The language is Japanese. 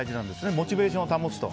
モチベーションを保つと。